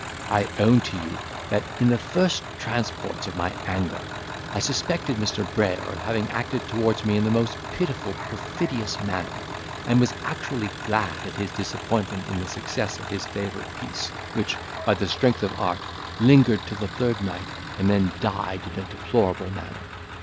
I own to you that, in the first transports of my anger, I suspected Mr. Brayer of having acted towards me in the most pitiful perfidious manner; and was actually glad at his disappointment in the success of his favourite piece, which, by the strength of art, lingered till the third night, and then died in a deplorable manner.